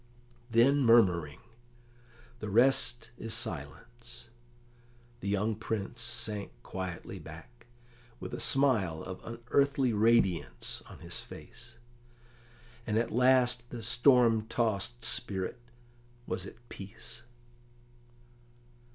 Then murmuring, "The rest is silence," the young Prince sank quietly back, with a smile of unearthly radiance on his face, and at last the storm tossed spirit was at peace.